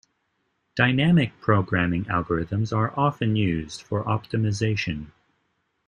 Dynamic programming algorithms are often used for optimization.